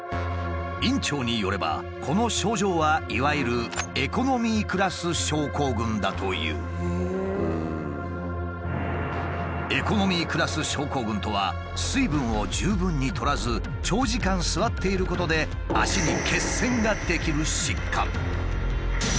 院長によればこの症状はいわゆる「エコノミークラス症候群」とは水分を十分にとらず長時間座っていることで脚に血栓が出来る疾患。